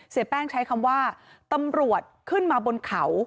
แป้งใช้คำว่าตำรวจขึ้นมาบนเขา